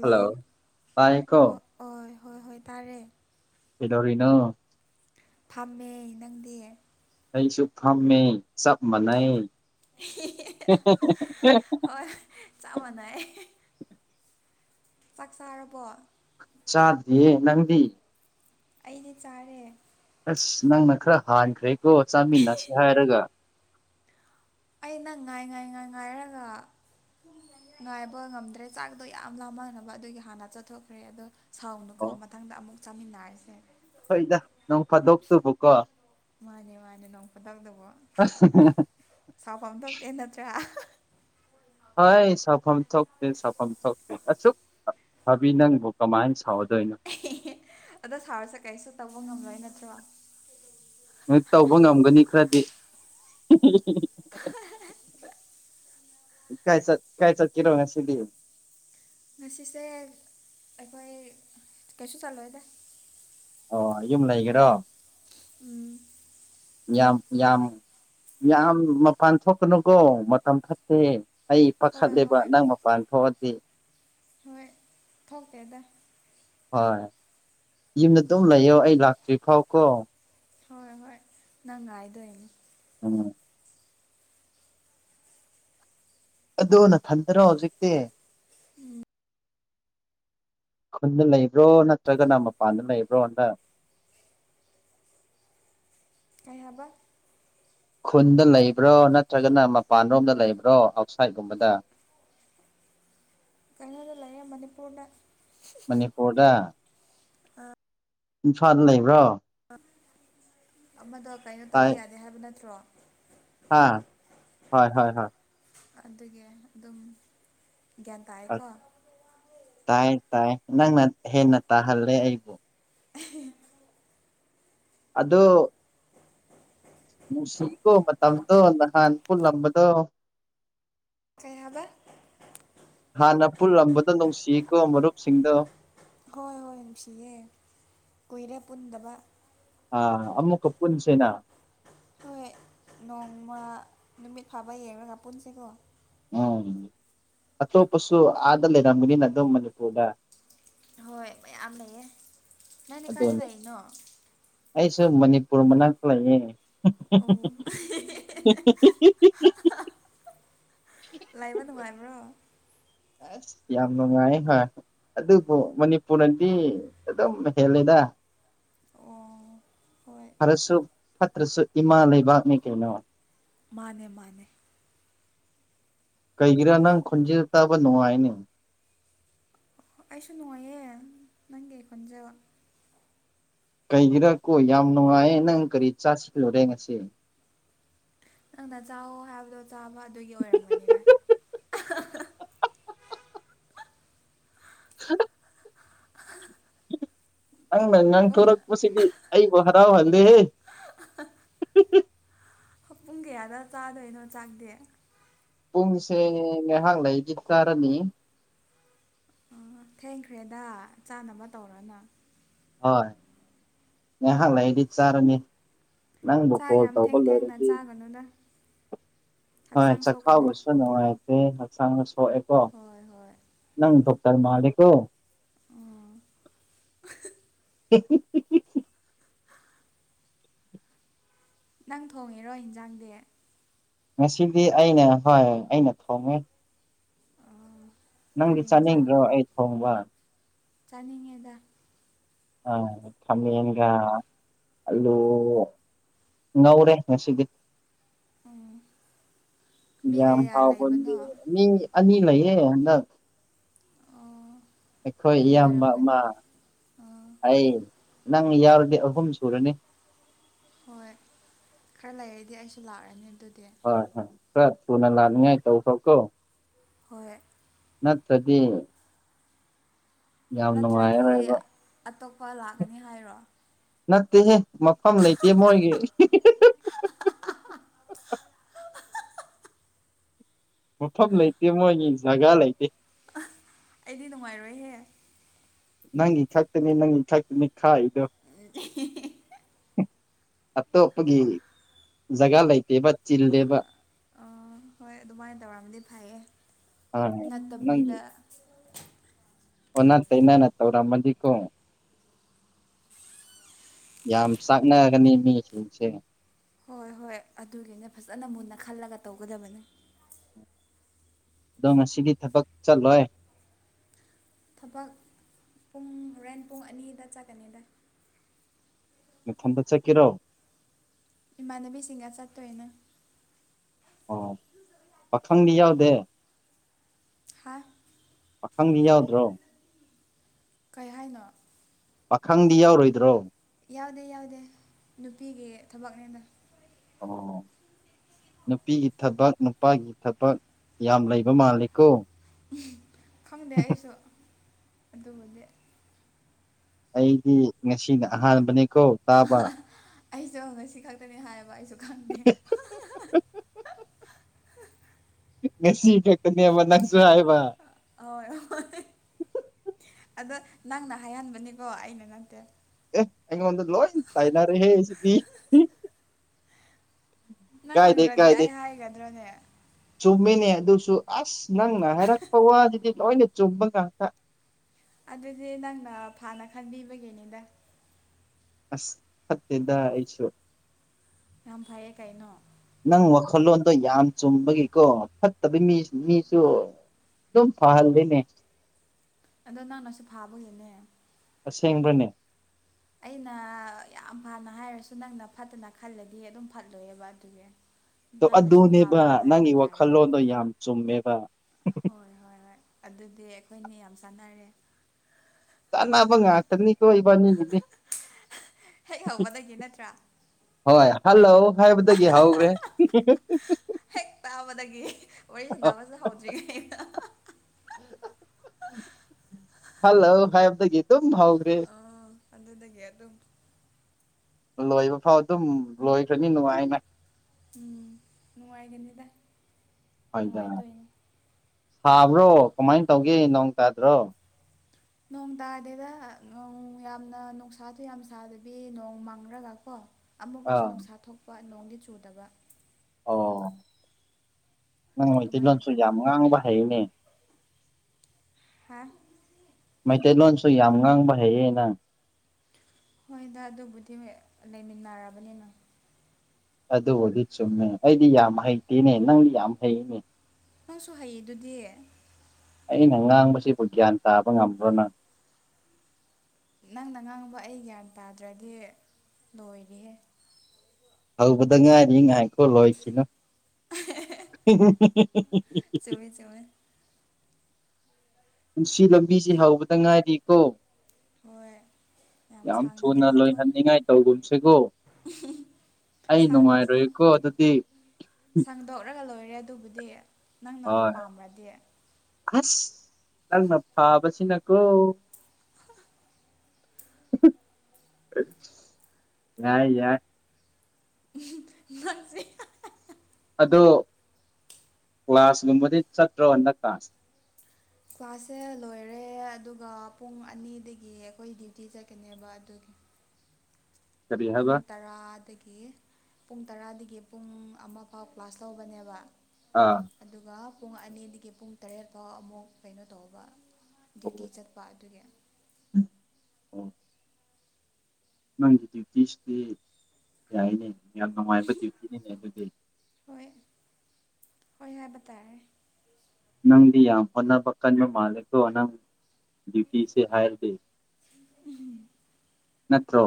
hello ꯀꯣ ꯍꯣꯏ ꯍꯣꯏ ꯍꯣꯏ ꯍꯣꯏ ꯇꯥꯔꯦ ꯀꯗꯧꯔꯤꯅꯣ ꯐꯝꯃꯦ ꯅꯪꯗꯤ ꯑꯩꯁꯨ ꯐꯝꯃꯦ ꯆꯞ ꯃꯥꯟꯅꯩ ꯍ ꯍꯣꯏ ꯆꯞ ꯃꯥꯟꯅꯩ ꯆꯥꯛ ꯆꯥꯔꯕꯣ ꯆꯥꯗ꯭ꯔꯤꯌꯦꯦ ꯅꯪꯗꯤ ꯑꯩꯗꯤ ꯆꯥꯔꯦ ꯑꯁ ꯅꯪꯅ ꯈꯔ ꯍꯥꯟꯈ꯭ꯔꯦꯀꯣ ꯆꯥꯃꯤꯟꯅꯁꯦ ꯍꯥꯏꯔꯒ ꯑ ꯅꯪ ꯉꯥꯏ ꯉꯥꯏ ꯉꯥꯏ ꯉꯥꯏꯔꯒ ꯉꯥꯏꯕ ꯉꯝꯗ꯭ꯔꯦ ꯆꯥꯛꯗꯣ ꯌꯥꯝ ꯂꯥꯃꯟꯅꯅꯕ ꯑꯗꯨꯒꯤ ꯍꯥꯟꯅ ꯆꯠꯊꯣꯛꯈ꯭ꯔꯦ ꯑꯗꯣ ꯁꯥꯎꯅꯨꯀꯣ ꯑꯣ ꯃꯊꯪꯗ ꯑꯃꯨꯛ ꯆꯥꯃꯤꯟꯅꯔꯤꯁꯦ ꯍꯣꯏꯗ ꯅꯪ ꯐꯥꯗꯣꯛꯇꯕꯀꯣ ꯃꯥꯅꯦ ꯃꯥꯅꯦ ꯅꯣꯡ ꯈꯨꯗꯧꯇꯕ ꯁꯥꯎꯐꯝ ꯊꯣꯛꯇꯦ ꯅꯠꯇ꯭ꯔꯥ ꯑ ꯍꯣꯏ ꯁꯥꯐꯝ ꯊꯣꯛꯇꯦ ꯁꯥꯐꯝ ꯊꯣꯛꯇꯦ ꯑꯁꯨꯛ ꯐꯥꯕꯤ ꯅꯪꯕꯨ ꯀꯃꯥꯏꯅ ꯁꯥꯎꯦ ꯑꯗꯣ ꯁꯥꯔꯁꯦ ꯀꯩꯁꯨ ꯇꯧꯕ ꯉꯝꯂꯣꯏ ꯅꯠꯇ꯭ꯔꯣ ꯅꯣꯏ ꯇꯧꯕ ꯉꯝꯒꯅꯤ ꯈꯔꯗꯤ ꯀꯥꯏ ꯆ ꯀꯥꯏ ꯆ ꯀꯤꯔꯧꯅꯥ ꯁꯤꯗꯤ ꯉꯁꯤꯁꯦ ꯑꯩꯈꯣꯏ ꯀꯩꯁꯨ ꯆꯜꯂꯣꯏꯦꯗ ꯑꯣ ꯌꯨꯝ ꯂꯩꯒꯦꯔꯣ ꯎꯝ ꯌꯥꯝ ꯌꯥꯝ ꯌꯥꯝ ꯃꯄꯥꯟ ꯊꯣꯛꯀꯅꯨꯀꯣ ꯃꯇꯝ ꯐꯠꯇꯦ ꯑꯩ ꯍꯣꯏ ꯄꯥꯈꯠꯂꯦꯕ ꯍꯣꯏ ꯅꯪ ꯃꯄꯥꯟ ꯊꯣꯛꯑꯗꯤꯦ ꯍꯣꯏ ꯊꯣꯛꯛꯦꯗ ꯍꯣꯏ ꯌꯨꯝꯗ ꯑꯗꯨꯝ ꯂꯩꯌꯣ ꯑꯩ ꯂꯥꯛꯇ꯭ꯔꯤ ꯐꯥꯎꯀꯣ ꯍꯣꯏ ꯍꯣꯏ ꯅꯪ ꯉꯥꯏꯗꯣꯏꯅꯦ ꯎꯝ ꯑꯗꯨ ꯅꯊꯟꯗꯔꯣ ꯍꯧꯖꯤꯛꯇꯤ ꯎꯝ ꯈꯨꯟꯗ ꯂꯩꯕ꯭ꯔꯣ ꯅꯠꯇ꯭ꯔꯒꯅ ꯃꯄꯥꯟꯗ ꯂꯩꯕ꯭ꯔꯣꯅ ꯑꯍꯕ ꯈꯨꯟꯗ ꯂꯩꯕ꯭ꯔꯣ ꯅꯠꯇ꯭ꯔꯒꯅ ꯃꯄꯥꯟꯔꯣꯝꯗ ꯂꯩꯕ꯭ꯔꯣ ꯑꯥꯎꯠꯁꯥꯏꯠꯀꯨꯝꯕꯗ ꯀꯩꯅꯣꯗ ꯂꯩꯌꯦꯦ ꯃꯅꯤꯄꯨꯔꯗ ꯃꯅꯤꯄꯨꯔꯗ ꯏꯝꯐꯥꯜ ꯂꯩꯕ꯭ꯔꯣ ꯑꯃꯗꯣ ꯀꯩꯅꯣ ꯇꯧꯕ ꯌꯥꯗꯦ ꯍꯥꯏꯕ ꯅꯠꯇ꯭ꯔꯣ ꯑ ꯍꯣꯏ ꯍꯣꯏ ꯍꯣꯏ ꯑꯗꯨꯗꯒꯤ ꯑꯗꯨꯝ ꯒ꯭ꯌꯥꯟ ꯇꯥꯏꯀꯣ ꯇꯥꯏ ꯇꯥꯏ ꯅꯪꯅ ꯍꯦꯟꯅ ꯇꯥꯍꯜꯂꯦ ꯑꯩꯕꯨ ꯑꯗꯣ ꯅꯨꯡꯁꯤꯠꯀꯣ ꯃꯇꯝꯗꯣ ꯅꯍꯥꯟ ꯄꯨꯜꯂꯝꯝꯕꯗꯣ ꯀꯩꯕ ꯍꯥꯟꯅ ꯄꯨꯜꯂꯝꯝꯕꯗ ꯅꯨꯡꯁꯤꯀꯣ ꯃꯔꯨꯞꯁꯤꯡꯗꯣ ꯍꯣꯏ ꯍꯣꯏ ꯅꯨꯡꯁꯤꯌꯦꯦ ꯀꯨꯏꯔꯦ ꯄꯨꯟꯗꯕ ꯑꯥ ꯑꯃꯨꯛꯀ ꯄꯨꯟꯁꯤꯅ ꯍꯣꯏ ꯅꯣꯡꯃ ꯅꯨꯃꯤꯠ ꯐꯥꯕ ꯌꯦꯡꯉꯒ ꯄꯨꯟꯁꯤꯀꯣ ꯎꯝ ꯑꯇꯣꯞꯄꯁꯨ ꯑꯥꯗ ꯂꯩꯔꯝꯕꯅꯤꯅ ꯑꯗꯨꯝ ꯃꯅꯤꯄꯨꯔꯗ ꯍꯣꯏ ꯃꯌꯥꯝ ꯂꯩꯌꯦ ꯅꯪꯅꯦ ꯀꯥꯏꯗ ꯑꯗꯨꯅꯤ ꯂꯩꯏꯅꯣ ꯑꯩꯁꯨ ꯃꯅꯤꯄꯨꯔ ꯃꯅꯥ ꯀꯂꯌꯦꯦ ꯑꯣ ꯂꯕ ꯊꯃꯔ꯭ꯔꯣ ꯑꯦꯁ ꯌꯥꯝ ꯅꯨꯡꯉꯥꯏ ꯍꯣꯏ ꯑꯗꯨꯕꯨ ꯃꯅꯤꯄꯨꯔꯅꯗꯤ ꯑꯗꯨꯝ ꯍꯦꯜꯂꯦꯗ ꯑꯣ ꯍꯣꯏ ꯐꯔꯁꯨ ꯐꯠꯇ꯭ꯔꯁꯨ ꯏꯃꯥ ꯂꯩꯕꯥꯛꯅꯤ ꯀꯩꯅꯣ ꯃꯥꯅꯦ ꯃꯥꯅꯦ ꯀꯩꯒꯤꯔꯥ ꯅꯪ ꯈꯨꯟꯁꯤꯗ ꯇꯥꯕ ꯅꯨꯡꯉꯥꯏꯅꯦ ꯑꯩꯁꯨ ꯅꯨꯡꯉꯥꯏꯌꯦ ꯅꯪꯒꯤ ꯑꯩ ꯈꯣꯟꯖꯕ ꯀꯩꯒꯤꯔꯥ ꯀꯣ ꯌꯥꯝ ꯅꯨꯡꯉꯥꯏꯌꯦ ꯅꯪ ꯀꯔꯤ ꯆꯥꯁꯤꯂꯨꯔꯦ ꯉꯁꯤ ꯅꯪꯅ ꯆꯥꯛꯑꯣ ꯍꯥꯏꯕꯗꯣ ꯆꯥꯕ ꯑꯗꯨꯒꯤ ꯑꯣꯏꯔꯝꯒꯅꯤꯅꯦ ꯍ ꯅꯪꯅ ꯅꯪ ꯄꯨꯡ ꯊꯣꯛꯣꯔꯛꯄꯁꯤꯗꯤ ꯑꯩꯕꯨ ꯍꯔꯥꯎꯍꯜꯂꯦꯍꯦ [inaudible] ꯄꯨꯡ ꯀꯌꯥꯗ ꯆꯥꯗꯣꯏꯅꯣ ꯆꯥꯛꯇꯦ ꯄꯨꯡꯁꯦ ꯉꯥꯏꯍꯥꯛ ꯂꯩꯒꯤ ꯇꯥꯔꯅꯤ ꯊꯦꯡꯈ꯭ꯔꯦꯗ ꯆꯥꯅꯕ ꯇꯧꯔꯅ ꯍꯣꯏ ꯌꯥ ꯍꯪ ꯂꯩꯗꯤ ꯆꯔꯃꯤ ꯅꯪꯕꯨ ꯆꯥꯛ ꯐꯣꯜ ꯌꯥꯝ ꯇꯧꯕ ꯊꯦꯡ ꯊꯦꯡꯅ ꯂꯣꯏꯔꯁꯤ ꯆꯥꯒꯅꯨꯗ ꯍꯣꯏ ꯍꯛꯆꯥꯡ ꯁꯣꯛꯀꯅꯤ ꯆꯥꯛꯈꯥꯎꯕꯁꯨ ꯅꯨꯡꯉꯥꯏꯇꯦ ꯍꯛꯆꯥꯡꯗ ꯁꯣꯛꯑꯦꯀꯣ ꯍꯣꯏ ꯍꯣꯏ ꯅꯪ ꯁꯂꯝ ꯂꯩꯀ ꯑꯣ [inaudible] ꯅꯪ ꯊꯣꯡꯉꯦꯔꯣ ꯏꯟꯖꯥꯡꯗꯤ ꯉꯁꯤꯗꯤ ꯑꯩꯅ ꯍꯣꯏ ꯍꯣꯏ ꯑꯩꯅ ꯊꯣꯡꯉ ꯑꯣ ꯅꯪꯗꯤ ꯀꯔꯤ ꯆꯥꯅꯤꯡꯗ꯭ꯔꯣ ꯑꯩ ꯊꯣꯡꯕ ꯆꯥꯅꯤꯤꯡꯗ ꯑ ꯀꯃꯤ ꯌꯦꯅꯤꯡꯒ ꯑꯂꯨ ꯉꯧꯔꯦ ꯍꯁꯤꯒꯤ ꯎꯝ ꯃꯤ ꯌꯥꯝꯌꯥꯝ ꯀꯌꯥ ꯐꯥꯎ ꯐ ꯂꯩꯕꯅꯣ ꯑ ꯑꯅꯤ ꯂꯩꯏꯌꯦꯦ ꯑꯗ ꯑꯣ ꯑꯩꯈꯣꯏ ꯏꯌꯥꯝꯕ ꯅꯨꯡꯉꯥꯏꯔꯝꯒꯅꯤ ꯑꯃ ꯑꯣ ꯑꯩ ꯅꯪ ꯌꯥꯎꯔꯗꯤ ꯑꯍꯨꯝ ꯁꯨꯔꯅꯤ ꯍꯣꯏ ꯈꯔ ꯂꯩꯔꯗꯤ ꯑꯩꯁꯨ ꯂꯥꯛꯑꯅꯤ ꯑꯗꯨꯗꯤ ꯊꯅ ꯂꯥꯅꯤ ꯍꯥꯏ ꯇꯧꯐ ꯀꯣ ꯍꯣꯏ ꯅꯠꯇꯗꯤ ꯅꯠꯇ꯭ꯔꯗꯤ ꯑꯇꯣꯞꯄ ꯂꯥꯛꯀꯅꯤ ꯍꯥꯏꯔꯣ ꯅꯠꯇꯦꯍꯦ ꯃꯐꯝ ꯂꯩꯇꯦ ꯃꯣꯏꯒꯤ ꯃꯐꯝ ꯂꯩꯇꯦ ꯃꯣꯏꯒꯤ ꯖꯒꯥ ꯂꯩꯇꯦ ꯑꯩꯗꯤ ꯅꯨꯡꯉꯥꯏꯔꯣꯏꯍꯦ ꯅꯪꯒꯤ ꯈꯛꯇꯅꯤ ꯅꯪꯒꯤ ꯈꯛꯇꯅꯤ ꯈꯥꯏꯗꯣ ꯑꯇꯣꯞꯄꯒꯤ ꯖꯒꯥ ꯂꯩꯇꯦꯕ ꯆꯤꯜꯂꯦꯕ ꯍꯣꯏ ꯑꯗꯨꯃꯥꯏꯅ ꯇꯧꯔꯝꯗꯤ ꯐꯩꯌꯦ ꯑꯥ ꯅꯠꯇꯕꯤꯗ ꯑꯣ ꯇ ꯅꯅ ꯇꯧꯔꯥ ꯃꯖꯤ ꯀ ꯌꯥꯝ ꯆꯥꯛꯅꯒꯅꯤ ꯃꯤꯁꯤꯡꯁꯦ ꯍꯣꯏ ꯍꯣꯏ ꯑꯗꯨꯒꯤꯅꯦ ꯐꯖꯅ ꯃꯨꯟꯅ ꯈꯜꯂꯒ ꯇꯧꯒꯗꯕꯅꯤ ꯑꯗꯣ ꯉꯗꯤ ꯊꯕꯛ ꯆꯠꯂꯣꯏ ꯊꯕꯛ ꯄꯨꯡ ꯃꯣꯔꯦꯟ ꯄꯨꯡ ꯑꯅꯤꯗ ꯆꯠꯀꯅꯤꯗ ꯊꯝꯗ ꯆ ꯀꯔꯣ ꯏꯃꯥꯟꯅꯕꯤꯁꯤꯡꯒ ꯆꯠꯇꯣꯏꯅ ꯑꯣ ꯄꯈꯪꯒꯤ ꯌꯥꯎꯗꯦ ꯍꯥ ꯄꯥꯈꯪꯗꯤ ꯌꯥꯎꯗ꯭ꯔꯣ ꯀꯩ ꯍꯥꯏꯅ ꯄꯥꯈꯪꯗꯤ ꯌꯥꯎꯔꯣꯏꯗ꯭ꯔꯣ ꯌꯥꯎꯗꯦ ꯌꯥꯎꯗꯦ ꯅꯨꯄꯤꯒꯤ ꯊꯕꯛꯅꯦꯅ ꯑꯣ ꯅꯨꯄꯤꯒꯤ ꯊꯕꯛ ꯅꯨꯄꯥꯒꯤ ꯊꯕꯛ ꯌꯥꯝ ꯂꯩꯕ ꯃꯥꯜꯂꯤꯀꯣ ꯈꯪꯗꯦ ꯑꯩꯁꯨ ꯑꯗꯨꯕꯨꯗꯤ ꯑꯩꯗꯤ ꯉꯁꯤꯅ ꯑꯍꯥꯟꯕꯅꯦꯀꯣ ꯇꯥꯕ ꯑꯩꯁꯨ ꯉꯁꯤ ꯈꯛꯇꯅꯤ ꯍꯥꯏꯌꯦꯕ ꯑꯩꯁꯨ ꯈꯪꯗꯦ ꯉꯁꯤ ꯈꯛꯇꯅꯦ ꯑꯃ ꯅꯪꯁꯨ ꯍꯥꯏꯕ ꯍꯣꯏ ꯑꯗꯣ ꯅꯪꯅ ꯍꯥꯏꯍꯟꯕꯅꯤꯀꯣ ꯑꯩꯅ ꯅꯠꯇꯦ ꯑꯦ ꯑꯩꯗ ꯂꯣꯟ ꯇꯥꯏꯩꯅꯔꯦ ꯍꯦ ꯁꯤ ꯄꯤ ꯅꯪ ꯍꯪꯗ꯭ꯔꯗꯤ ꯑꯩ ꯍꯥꯏꯒꯗ꯭ꯔꯅꯦ ꯆꯨꯝꯃꯤꯅꯦ ꯑꯗꯨꯁꯨ ꯑꯁ ꯅꯪꯅ ꯍꯥꯏꯔꯛꯄ ꯋꯥꯗꯨꯗꯤ ꯂꯣꯏꯅ ꯆꯨꯝꯕ ꯉꯥꯛꯇ ꯑꯗꯨꯗꯤ ꯅꯪꯅ ꯐꯥꯅ ꯈꯟꯕꯤꯕꯒꯤꯅꯤꯗ ꯑꯁ ꯐꯠꯇꯦꯗꯁꯨꯣ ꯌꯥꯝ ꯐꯩꯌꯦ ꯀꯥꯏꯩꯅꯣ ꯅꯪ ꯋꯥꯈꯜꯂꯣꯟꯗꯣ ꯌꯥꯝ ꯆꯨꯝꯕꯒꯤꯀꯣ ꯐꯠꯇꯕ ꯃꯤ ꯃꯤꯁꯨ ꯑꯗꯨꯝ ꯐꯍꯜꯗꯅꯦ ꯑꯗꯣ ꯅꯪꯅ ꯁꯤ ꯐꯥꯕꯒꯤꯅꯦ ꯑꯁꯦꯡꯕꯅꯦ ꯑꯩꯅ ꯌꯥꯝ ꯐꯥꯅ ꯍꯥꯏꯔꯁꯨ ꯅꯪꯅ ꯐꯠꯇꯅ ꯈꯜꯂꯗꯤ ꯑꯗꯨꯝ ꯐꯠꯂꯣꯏꯑꯕ ꯑꯗꯨꯒꯤ ꯣ ꯅꯪꯅꯁꯨ ꯑꯗꯨꯅꯦꯕ ꯐꯕ ꯍꯥꯏꯕ ꯅꯪꯒꯤ ꯇꯥꯔꯦ ꯋꯥꯈꯜꯂꯣꯟꯗꯣ ꯌꯥꯝ ꯆꯨꯝꯃꯦꯕ ꯍꯣꯏ ꯍꯣꯏ ꯍꯣꯏ ꯑꯗꯨꯗꯤ ꯑꯩꯈꯣꯏꯅ ꯌꯥꯝ ꯆꯥꯟꯅꯔꯦ ꯀꯥꯅꯕ ꯉꯥꯛꯇꯅꯤ ꯀꯣ ꯏꯕꯅꯤꯅꯤꯅꯤ ꯍꯦꯛ ꯍꯧꯕꯗꯒꯤ ꯅꯠꯇ꯭ꯔꯥ ꯍꯣꯏ ꯍꯜꯂꯣ ꯍꯥꯏꯥꯏꯕꯗꯒꯤ ꯍꯧꯈ꯭ꯔꯦ ꯍꯦꯛ ꯇꯥꯕꯗꯒꯤ ꯋꯥꯔꯤ ꯁꯥꯟꯅꯕꯁꯨ ꯍꯧꯗ꯭ꯔꯤꯉꯩ ꯍꯜꯂꯣ ꯍꯕ ꯗꯒꯤ ꯇꯝ ꯍꯒ꯭ꯔꯤ ꯑꯗꯇ ꯀꯦꯔ ꯑꯗꯨ ꯂꯣꯏꯕ ꯐꯥꯎ ꯑꯗꯨꯝ ꯂꯣꯏꯈ꯭ꯔꯅꯤ ꯅꯨꯡꯉꯥꯏꯅ ꯎꯝ ꯅꯨꯡꯉꯥꯏꯒꯅꯤꯗꯥꯏ ꯍꯣꯏꯗ ꯉꯥꯏꯗ ꯁꯥꯕ꯭ꯔꯣ ꯀꯃꯥꯏꯅ ꯇꯧꯒꯦ ꯅꯣꯡ ꯇꯥꯗ꯭ꯔꯣ ꯅꯣꯡ ꯇꯥꯗꯦꯗ ꯅꯣꯡ ꯌꯥꯝꯅ ꯅꯨꯡꯁꯥꯁꯨ ꯌꯥꯝ ꯁꯥꯗꯕꯤ ꯅꯣꯡ ꯃꯪꯒ꯭ꯔꯒ ꯀꯣ ꯑꯃꯨꯛꯀꯁꯨ ꯑꯥ ꯅꯨꯡꯁꯥ ꯊꯣꯛꯄ ꯅꯣꯡꯗꯤ ꯆꯨꯗꯕ ꯑꯣ ꯅꯪ ꯑꯗꯨꯃꯥꯏꯅ ꯃꯩꯇꯩꯂꯣꯟꯁꯨ ꯇꯧꯋꯤ ꯌꯥꯝ ꯉꯥꯡꯕ ꯍꯅꯦ ꯍꯥ ꯃꯩꯇꯩꯂꯣꯟꯁꯨ ꯌꯥꯝ ꯉꯥꯡꯕ ꯍꯩꯌꯦꯅ ꯍꯣꯏꯗ ꯑꯗꯨꯕꯨꯗꯤ ꯂꯩꯃꯤꯟꯅꯔꯕꯅꯤꯅ ꯑꯗꯨꯕꯨꯗꯤ ꯆꯨꯝꯃꯦ ꯑꯩꯗꯤ ꯌꯥꯝ ꯍꯩꯇꯦꯅꯦ ꯅꯪꯗꯤ ꯌꯥꯝ ꯍꯩꯅꯦ ꯅꯪꯁꯨ ꯍꯩꯌꯦ ꯑꯗꯨꯗꯤ ꯑꯩꯅ ꯉꯥꯡꯕꯁꯤꯕꯨ ꯒ꯭ꯌꯥꯟ ꯇꯥꯕ ꯉꯝꯕ꯭ꯔꯣꯅ ꯅꯪꯅ ꯉꯥꯡꯕ ꯑꯩ ꯒ꯭ꯌꯥꯟ ꯇꯥꯗ꯭ꯔꯗꯤ ꯂꯣꯏꯔ ꯍꯧꯕꯗ ꯉꯥꯏꯔꯤ ꯉꯥꯏꯈꯣ ꯂꯣꯏꯁꯤꯅꯨ ꯆꯋꯋꯦ ꯆꯋꯋꯦ ꯄꯨꯟꯁꯤ ꯂꯝꯕꯤꯁꯦ ꯍꯧꯕꯗ ꯉꯥꯏꯔꯤꯀꯣ ꯍꯣꯏ ꯌꯥꯝ ꯁꯥꯡꯅ ꯊꯨꯅ ꯂꯩꯀꯣ ꯂꯣꯏꯍꯟꯅꯤꯡꯉꯥꯏ ꯇꯧꯒꯨꯝꯁꯤꯒꯣ ꯑꯩ ꯅꯨꯡꯉꯥꯏꯔꯣꯏꯀꯣ ꯑꯗꯨꯗꯤ ꯁꯪꯗꯣꯛꯂꯒ ꯂꯣꯏꯔꯦ ꯑꯗꯨꯕꯨꯗꯤ ꯅꯪ ꯍꯣꯏ ꯅꯪꯕꯨ ꯄꯥꯝꯕ꯭ꯔꯗꯤ ꯑꯁ ꯅꯪꯅ ꯐꯥꯕꯁꯤꯅꯀꯣ ꯌꯥꯏ ꯌꯥꯏ ꯎꯝ ꯅꯟꯁꯤ ꯑ ꯀ꯭ꯂꯥꯁꯒꯨꯝꯕꯗꯤ ꯆꯠꯇ꯭ꯔꯣꯗꯛꯀꯥꯁ ꯀ꯭ꯂꯥꯁꯁꯦ ꯂꯣꯏꯔꯦ ꯑꯗꯨꯒ ꯄꯨꯡ ꯑꯅꯤꯗꯒꯤ ꯑꯩꯈꯣꯏ ꯗ꯭ꯌꯨꯇꯤ ꯆꯠꯀꯅꯦꯕ ꯑꯗꯨꯒꯤ [inaudible] ꯀꯔꯤ ꯄꯨꯡ ꯍꯥꯏꯕ ꯇꯔꯥ ꯑꯗꯒꯤ ꯄꯨꯡ ꯇꯔꯥꯗꯒꯤ ꯄꯨꯡ ꯑꯃ ꯐꯥꯎ ꯀ꯭ꯂꯥꯁ ꯂꯧꯕꯅꯦꯕ ꯑꯥ ꯑꯗꯨꯒ ꯄꯨꯡ ꯑꯅꯤꯗꯒꯤ ꯄꯨꯡ ꯇꯔꯦꯠ ꯐꯥꯎ ꯑꯃꯨꯛ ꯀꯩꯅꯣ ꯇꯧꯕ ꯗ꯭ꯌꯨꯇꯤ ꯑꯣ ꯆꯠꯄ ꯑꯗꯨꯒꯤ ꯑꯣ ꯅꯪꯒꯤ ꯗ꯭ꯌꯨꯇꯤꯁꯤꯗꯤ ꯌꯥꯏꯅꯦ ꯌꯥꯝ ꯅꯨꯡꯉꯥꯏꯕ ꯭ꯌꯨꯇꯤꯅꯤꯅꯦ ꯑꯗꯨꯗꯤ ꯍꯣꯏ ꯍꯣꯏ ꯍꯣꯏꯕꯇꯥꯥꯏꯦ ꯅꯪꯗꯤ ꯌꯥꯝ ꯑꯣ ꯄꯀꯟ ꯃ ꯃꯥꯂꯦꯛꯇꯣꯅꯪ ꯗ꯭ꯌꯨꯇꯁꯤꯦ ꯍꯔꯔ ꯗꯦ ꯅꯦꯇ꯭ꯔꯣ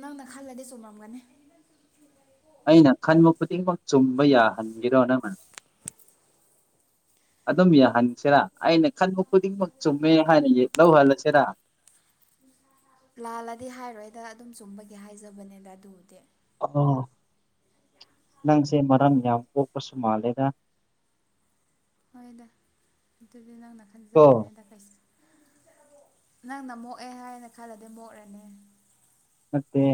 ꯅꯪꯅ ꯈꯜꯂꯗꯤ ꯆꯨꯝꯔꯝꯒꯅꯤ ꯑꯩꯅ ꯈꯟꯕ ꯈꯨꯗꯤꯡꯃꯛ ꯆꯨꯝꯕ ꯌꯥꯍꯟꯒꯤꯔꯣ ꯅꯪ ꯑꯗꯨꯝ ꯌꯥꯍꯟꯁꯤꯔꯥ ꯑꯩꯅ ꯈꯟꯕ ꯈꯨꯗꯤꯡꯃꯛ ꯆꯨꯝꯃꯦ ꯍꯥꯏꯅ ꯂꯧꯍꯜꯂꯁꯤꯔꯥ [unintelligible] ꯂꯥꯜꯂꯗꯤ ꯍꯥꯏꯔꯣꯏꯗ ꯑꯗꯨꯝ ꯆꯨꯝꯕꯒꯤ ꯍꯥꯏꯖꯕꯅꯦꯗ ꯑꯗꯨꯕꯨꯗꯤ ꯑꯥ ꯅꯪꯁꯦ ꯃꯔꯝ ꯌꯥꯝ ꯀꯣ ꯀ ꯁꯃꯂꯦꯗ ꯍꯣꯏꯗ ꯑꯗꯨꯗꯤ ꯅꯪꯅ ꯀꯣ ꯈꯟꯖꯕꯅꯦ ꯑꯗ ꯀꯩꯁꯨ ꯅꯪꯅ ꯃꯣꯛꯑꯦ ꯍꯥꯏꯅ ꯈꯜꯂꯗꯤ ꯃꯣꯛꯂꯅꯤ ꯅꯠꯇꯦ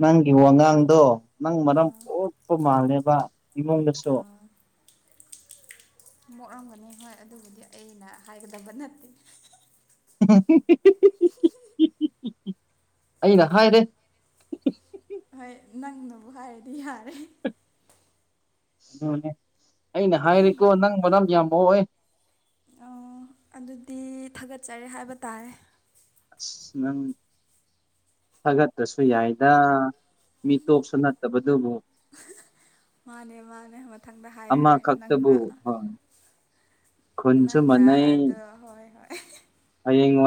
ꯅꯪꯒꯤ ꯋꯥꯉꯥꯡꯗꯣ ꯅꯪ ꯃꯔꯝ ꯀꯣꯛꯄ ꯃꯥꯜꯂꯦꯕ ꯏꯃꯨꯡꯗꯁꯨꯣ ꯃꯣꯛꯠꯑꯝꯒꯅꯤ ꯍꯣꯏ ꯑꯗꯨꯕꯨꯗꯤ ꯑꯩꯅ ꯍꯥꯏꯒꯗꯕ ꯅꯠꯇꯦ [unintelligible] ꯑꯩꯅ ꯍꯥꯏꯔꯦ ꯍꯣꯏ ꯅꯪꯅꯕꯨ ꯍꯥꯏꯔꯗꯤ ꯌꯥꯔꯦ ꯑꯗꯨꯅꯦ ꯑꯩꯅ ꯍꯥꯏꯔꯤꯀꯣ ꯅꯪ ꯃꯔꯝ ꯌꯥꯝꯃꯛꯛꯏ ꯑꯣ ꯑꯗꯨꯗꯤ ꯊꯥꯒꯠꯆꯔꯤꯦ ꯍꯥꯏꯕ ꯇꯥꯔꯦ ꯑꯁ ꯅꯪ ꯊꯥꯒꯠꯄꯁꯨ ꯌꯥꯏꯗ ꯃꯤ ꯇꯣꯛꯞꯁꯨ ꯅꯠꯇꯕꯗꯨꯕꯨ ꯃꯥꯅꯦ ꯃꯥꯅꯦ ꯃꯊꯪꯗ ꯍꯥꯏꯔꯔꯣꯏ ꯑꯃꯈꯛꯇꯕꯨ ꯅꯪꯅ ꯍꯣꯏ ꯈꯨꯟꯁꯨ ꯅꯪꯅ ꯃꯥꯟꯅꯩ ꯑꯗꯣ ꯍꯣꯏ ꯍꯣꯏ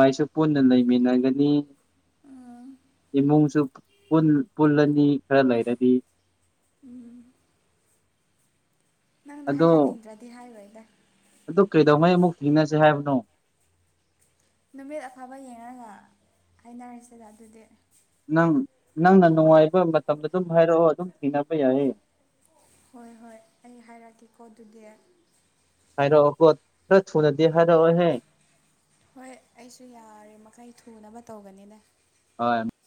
ꯀꯩꯁꯨ ꯄꯨꯟꯅ ꯂꯩꯃꯤꯟꯅꯒꯅꯤ ꯎꯝ ꯏꯃꯨꯡꯁꯨ ꯄꯨꯜꯂꯅꯤ ꯈꯔ ꯂꯩꯔꯗꯤ ꯎꯝ ꯅꯪꯅ ꯑꯗꯣ ꯍꯥꯏꯍꯟꯅꯤꯡꯗ꯭ꯔꯗꯤ ꯍꯥꯏꯔꯣꯏꯗ ꯑꯗꯨ ꯀꯩꯗꯧꯉꯩ ꯑꯃꯨꯛ ꯊꯤꯅꯁꯦ ꯍꯥꯏꯕꯅꯣ ꯅꯨꯃꯤꯠ ꯑꯐꯥꯕ ꯌꯦꯡꯉꯒ ꯍꯥꯏꯅꯔꯤꯁꯤꯗ ꯑꯗꯨꯗꯤ ꯅꯪ ꯅꯪꯅ ꯅꯨꯡꯉꯥꯏꯕ ꯃꯇꯝꯗ ꯑꯗꯨꯝ ꯍꯥꯏꯔꯛꯑꯣ ꯑꯗꯨꯝ ꯊꯦꯡꯅꯕ ꯌꯥꯏꯌꯦ ꯍꯣꯏ ꯍꯣꯏ ꯑꯩ ꯍꯥꯏꯔꯛꯀꯦꯀꯣ ꯑꯗꯨꯗꯤ ꯍꯥꯏꯔꯣ ꯀꯣ ꯊꯨ ꯅꯗꯤꯦ ꯍꯣꯏ ꯑꯩꯁꯨ ꯌꯥꯔꯦ ꯃꯈꯩ ꯊꯨꯅꯕ ꯇꯧꯒꯅꯤꯅꯦ ꯍꯣꯏ